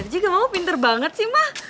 bener juga mama pinter banget sih ma